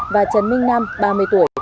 và trần minh nam ba mươi tuổi